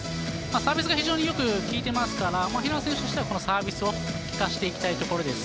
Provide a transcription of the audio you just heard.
サービスが非常によく効いていますから平野選手としてはこのサービスを生かしていきたいところです。